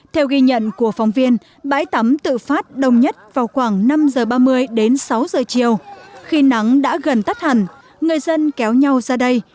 theo ghi nhận của phóng viên bãi tắm tự phát đồng nhất vào khoảng năm giờ ba mươi đến sáu giờ chiều khi nắng đã gần tắt hẳn người dân kéo nhau ra đây